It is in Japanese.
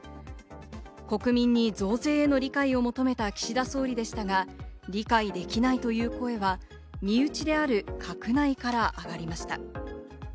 国民に増税への理解を求めた岸田総理でしたが、理解できないという声が身内である閣内から上がりました。